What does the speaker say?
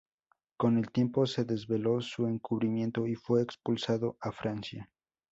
Con el tiempo se develó su encubrimiento y fue expulsado a Francia.